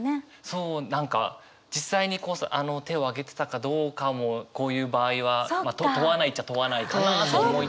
そう何か実際に手を上げてたかどうかもこういう場合は問わないっちゃ問わないかなと思いつつ。